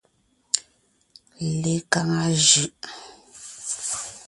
Lekaŋa jʉʼ.